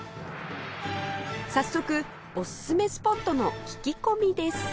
早速オススメスポットの聞き込みです